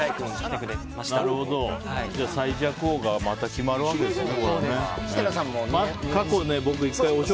最弱王がまた決まるわけですね。